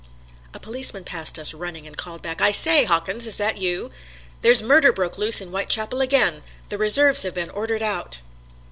A policeman passed us running and called back, "I say, Hawkins, is that you? There's murder broke loose in Whitechapel again! The reserves have been ordered out!"